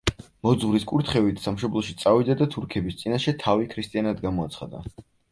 მოძღვრის კურთხევით, სამშობლოში წავიდა და თურქების წინაშე თავი ქრისტიანად გამოაცხადა.